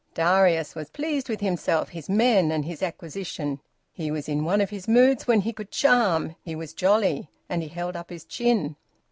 Darius was pleased with himself, his men, and his acquisition. He was in one of his moods when he could charm; he was jolly, and he held up his chin.